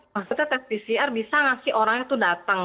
maksudnya tes pcr bisa ngasih orangnya tuh datang